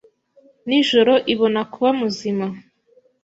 Nijoro ibona kuba muzima